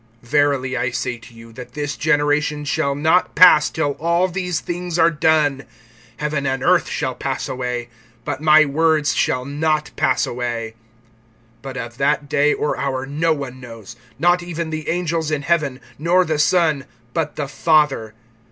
(30)Verily I say to you, that this generation shall not pass, till all these things are done. (31)Heaven and earth shall pass away; but my words shall not pass away. (32)But of that day or hour no one knows, not even the angels in heaven, nor the Son, but the Father.